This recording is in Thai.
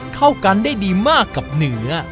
เข้ากันได้ดีมากกับเหนือ